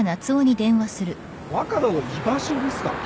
若菜の居場所ですか？